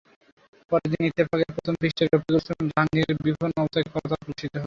পরদিন ইত্তেফাক-এর প্রথম পৃষ্ঠায় রফিকুল ইসলাম জাহাঙ্গীরের বিপন্ন অবস্থার কথা প্রকাশিত হলো।